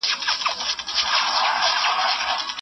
هغه څوک چي منډه وهي قوي کيږي.